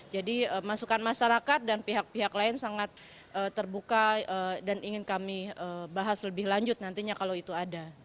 jadi masukan masyarakat dan pihak pihak lain sangat terbuka dan ingin kami bahas lebih lanjut nantinya kalau itu ada